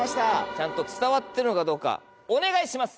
ちゃんと伝わってるのかどうかお願いします。